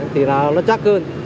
thì nó chắc hơn